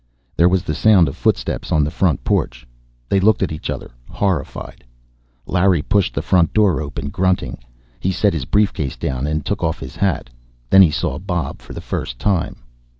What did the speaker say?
There was the sound of footsteps on the front porch. They looked at each other, horrified. Larry pushed the front door open, grunting. He set his briefcase down and took off his hat. Then he saw Bob for the first time.